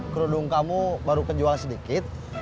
kerudung kamu baru kejual sedikit